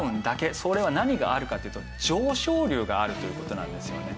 それは何があるかっていうと上昇流があるという事なんですよね。